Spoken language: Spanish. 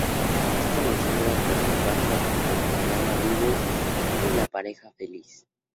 Es conocida por su paso por el programa "Vivos" y "La pareja feliz".